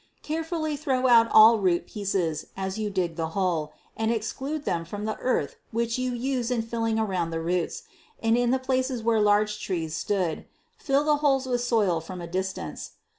Carefully throw out all root pieces, as you dig the hole, and exclude them from the earth which you use in filling around the roots, and in the places where large trees stood, fill the holes with soil from a distance.